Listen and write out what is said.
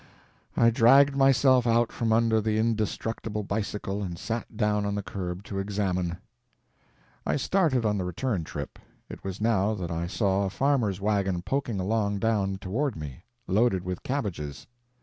I dragged myself out from under the indestructible bicycle and sat down on the curb to examine. I started on the return trip. It was now that I saw a farmer's wagon poking along down toward me, loaded with cabbages.